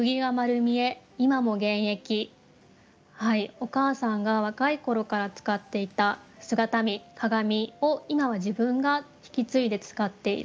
お母さんが若い頃から使っていた姿見鏡を今は自分が引き継いで使っている。